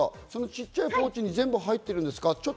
小さいポーチに全部入ってるんですか？